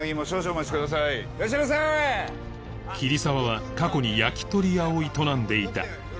桐沢は過去に焼き鳥屋を営んでいた